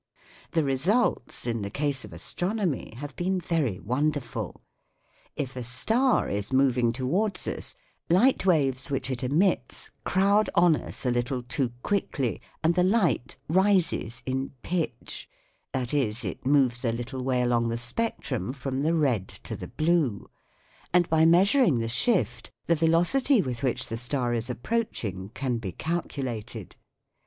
The results in the case of astron omy have been very wonderful . If a star is moving towards us, light waves which it emits crowd on us a little too quickly and the light " rises in pitch," that is, it moves a little way along the spectrum from the red to the blue ; and by measuring the shift the velocity with which the star is approaching can be calcu lated.